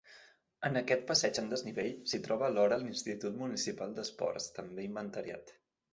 En aquest passeig en desnivell, s'hi troba alhora l'Institut Municipal d'Esports, també inventariat.